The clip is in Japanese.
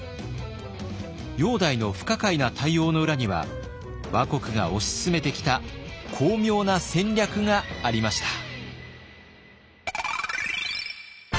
煬帝の不可解な対応の裏には倭国が推し進めてきた巧妙な戦略がありました。